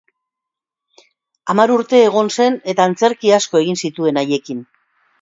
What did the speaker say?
Hamar urte egon zen eta antzerki asko egin zituen haiekin.